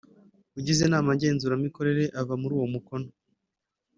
Ugize Inama Ngenzuramikorere ava muri uwomukono